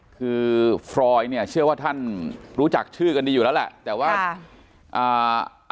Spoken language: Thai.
คือฟรอยเนี่ยเชื่อว่าท่านรู้จักชื่อกันดีอยู่แล้วแหละแต่ว่าอ่า